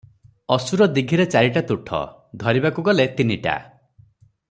ଅସୁର ଦୀଘିରେ ଚାରିଟାତୁଠ, ଧରିବାକୁ ଗଲେ ତିନିଟା ।